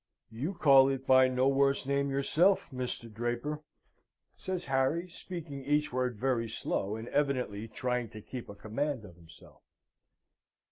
"You call it by no worse name yourself, Mr. Draper?" says Harry, speaking each word very slow, and evidently trying to keep a command of himself.